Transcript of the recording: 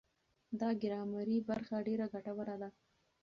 دا ګرامري برخه ډېره ګټوره ده.